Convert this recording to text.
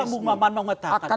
itulah bung maman nongetak